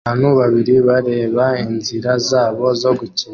Abantu babiri bareba inzira zabo zo gukina